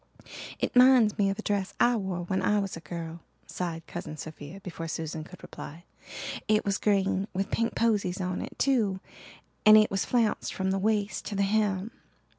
"It minds me of a dress I wore when I was a girl," sighed Cousin Sophia before Susan could reply. "It was green with pink posies on it, too, and it was flounced from the waist to the hem.